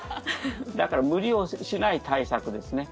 だから無理をしない対策ですね。